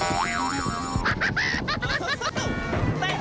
นั้นแล้วไหมล่ะครับ